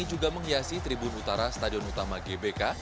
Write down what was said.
juga menghiasi tribun utara stadion utama gbk